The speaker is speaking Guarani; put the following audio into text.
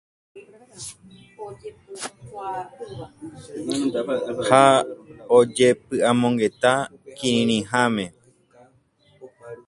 Ha ojepy'amongeta kirirĩháme.